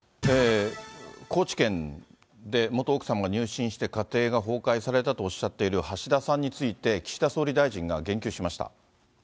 高知県で元奥様が入信して家庭が崩壊されたとおっしゃっている橋田さんについて、岸田総理大臣が言及しました。